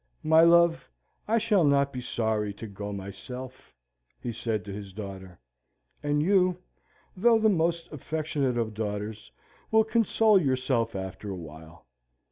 "My love, I shall not be sorry to go myself," he said to his daughter, "and you, though the most affectionate of daughters, will console yourself after a while.